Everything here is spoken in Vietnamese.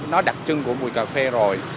nó đặc trưng của mùi cà phê rồi